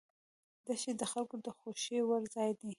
دښتې د خلکو د خوښې وړ ځای دی.